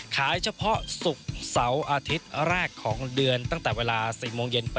เฉพาะศุกร์เสาร์อาทิตย์แรกของเดือนตั้งแต่เวลา๔โมงเย็น